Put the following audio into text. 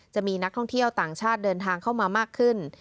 จะมีนักท่องเที่ยวต่างชาติเดินทางเข้ามามากขึ้น